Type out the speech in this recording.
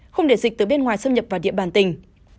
không để dịch từ bên ngoài xâm nhập vào địa bàn tỉnh